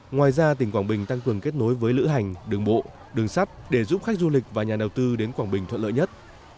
ngoài ra tỉnh quảng bình tăng cường kết nối với lữ hành đường bộ đường sắt để giúp khách du lịch và nhà đầu tư đến quảng bình thuận lợi nhất